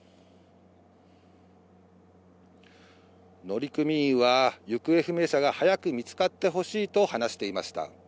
乗組員は行方不明者が早く見つかってほしいと話していました。